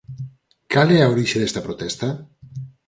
Cal é a orixe desta protesta?